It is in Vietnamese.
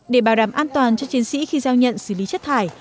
để bảo đảm an toàn cho chiến sĩ khi giao nhận xử lý chất thải